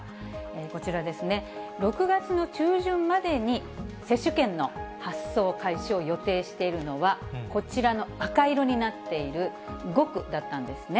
こちらですね、６月の中旬までに接種券の発送開始を予定しているのは、こちらの赤色になっている５区だったんですね。